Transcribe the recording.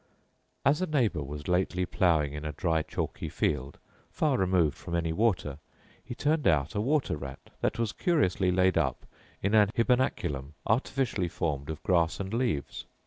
As a neighbour was lately ploughing in a dry chalky field, far removed from any water, he turned out a water rat, that was curiously laid up in an hybernaculum artificially formed of grass and leaves.